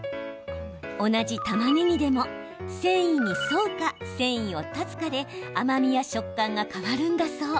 同じたまねぎでも繊維に沿うか、繊維を断つかで甘みや食感が変わるんだそう。